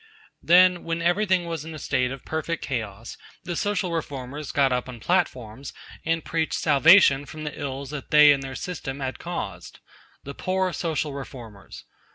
Then, when everything was in a state of perfect chaos, the Social Reformers got up on platforms, and preached salvation from the ills that they and their system had caused. The poor Social Reformers!